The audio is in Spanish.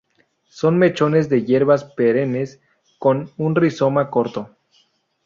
Son mechones de hierbas perennes con un rizoma corto.